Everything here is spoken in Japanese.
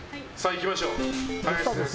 いきましょう。